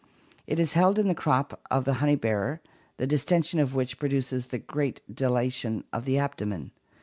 It is held in the crop of the honey bearer, the distention of which produces the great dilation of the abdomen.